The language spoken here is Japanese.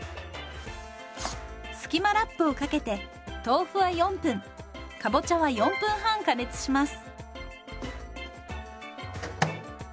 スキマラップをかけて豆腐は４分かぼちゃは４分半加熱します。